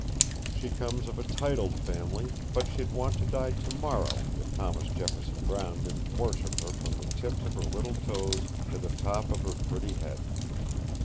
She comes of a titled family, but she'd want to die to morrow if Thomas Jefferson Brown didn't worship her from the tips of her little toes to the top of her pretty head.